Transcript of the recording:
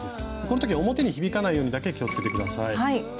この時表に響かないようにだけ気をつけて下さい。